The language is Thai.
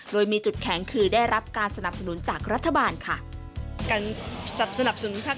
โดยมีจุดแข็งคือได้รับการสนับสนุนจากรัฐบาลค่ะ